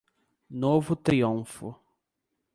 Novo Triunfo